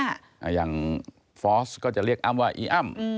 อย่างฟอร์สก็จะเรียกอ้ำว่าอีอ้ำ